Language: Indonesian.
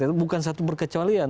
itu bukan satu perkecualian